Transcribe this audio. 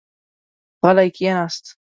غلی کېناست.